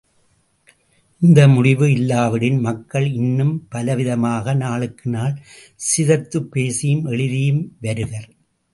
இந்த முடிவு இல்லாவிடின், மக்கள் இன்னும் பலவிதமாக நாளுக்குநாள் சிதைத்துப் பேசியும் எழுதியும் வருவர்.